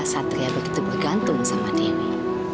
satria begitu bergantung sama denny